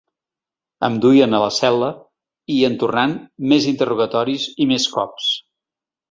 Em duien a la cel·la i, en tornant, més interrogatoris i més cops.